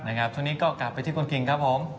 นะครับช่วงนี้ก็กลับไปที่คนคิงครับผม